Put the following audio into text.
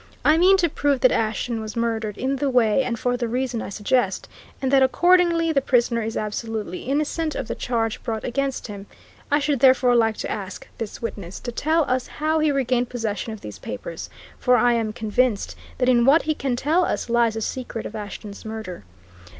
I mean to prove that Ashton was murdered in the way, and for the reason I suggest, and that accordingly the prisoner is absolutely innocent of the charge brought against him. I should therefore like to ask this witness to tell us how he regained possession of these papers, for I am convinced that in what he can tell us lies the secret of Ashton's murder.